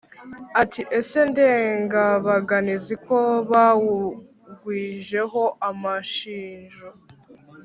Ati: "Ese Ndengabaganizi ko bawugwijeho amashinjo,